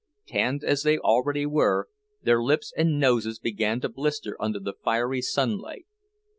Tanned as they already were, their lips and noses began to blister under the fiery sunlight.